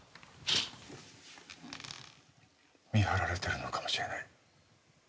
見張られてるのかもしれない。